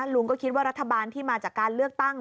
ลุงก็คิดว่ารัฐบาลที่มาจากการเลือกตั้ง